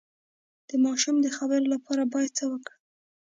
د ماشوم د خبرو لپاره باید څه وکړم؟